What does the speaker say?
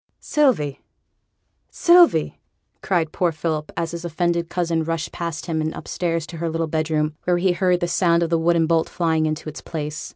'Sylvie, Sylvie,' cried poor Philip, as his offended cousin rushed past him, and upstairs to her little bedroom, where he heard the sound of the wooden bolt flying into its place.